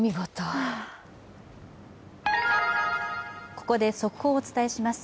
ここで速報をお伝えします。